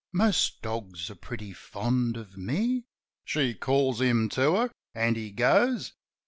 "Most dogs are pretty fond of me." She calls him to her, an' he goes.